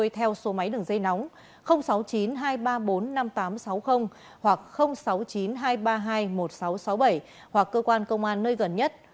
theo số máy đường dây nóng sáu mươi chín hai trăm ba mươi bốn năm nghìn tám trăm sáu mươi hoặc sáu mươi chín hai trăm ba mươi hai một nghìn sáu trăm sáu mươi bảy hoặc cơ quan công an nơi gần nhất